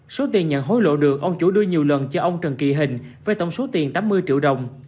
số tiền nhận hối lộ được ông chủ đưa nhiều lần cho ông trần kỳ hình với tổng số tiền tám mươi triệu đồng